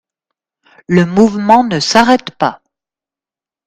Le mouvement ne s'arrête pas.